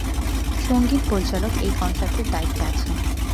সঙ্গীত পরিচালক এই কনসার্টের দায়িত্বে আছেন।